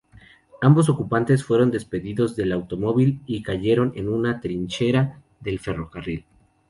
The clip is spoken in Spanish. Ambos ocupantes fueron despedidos del automóvil y cayeron por una trinchera del ferrocarril.